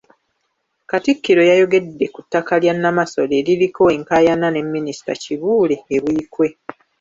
Katikkiro yayogedde ku ttaka lya Nnamasole eririko enkaayana ne Minisita Kibuule e Buikwe.